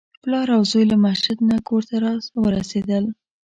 پلار او زوی له مسجد نه کور ته راورسېدل.